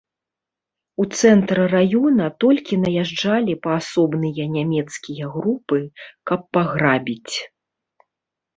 У цэнтр раёна толькі наязджалі паасобныя нямецкія групы, каб паграбіць.